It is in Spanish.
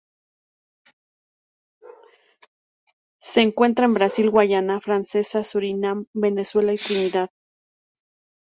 Se encuentra en Brasil, Guayana Francesa, Surinam, Venezuela y Trinidad.